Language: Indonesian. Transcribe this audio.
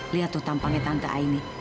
lihat tuh tampangnya tante aini